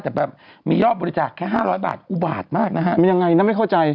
แต่แบบมียอดบริจาคแค่๕๐๐บาทอุบาทมากนะฮะมันยังไงนะไม่เข้าใจ